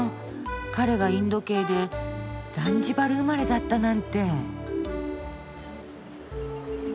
彼がインド系でザンジバル生まれだったなんて。